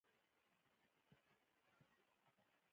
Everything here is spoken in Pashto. په افغانستان کې د انګورو اړتیاوې پوره کېږي.